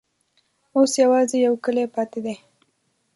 اوس یوازي یو کلی پاته دی.